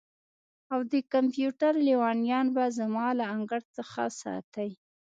او د کمپیوټر لیونیان به زما له انګړ څخه ساتئ